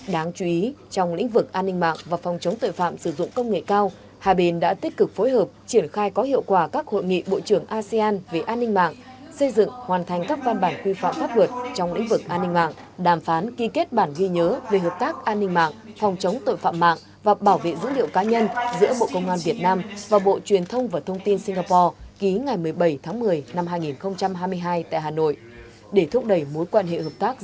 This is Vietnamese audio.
đáng chú ý trong lĩnh vực an ninh mạng và phòng chống tội phạm sử dụng công nghệ cao hai bên đã tích cực phối hợp triển khai có hiệu quả các hội nghị bộ trưởng asean về an ninh mạng xây dựng hoàn thành các văn bản quy phạm pháp luật trong lĩnh vực an ninh mạng đàm phán ký kết bản ghi nhớ về hợp tác an ninh mạng phòng chống tội phạm mạng và bảo vệ dữ liệu cá nhân giữa bộ công an việt nam và bộ truyền thông và thông tin singapore ký ngày một mươi bảy tháng một mươi năm hai nghìn hai mươi hai tại hà nội để thúc đẩy mối quan hệ hợp tá